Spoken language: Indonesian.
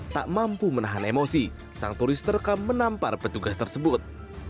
tak mampu menahan emosi sang turis terekam menampar petugas tersebut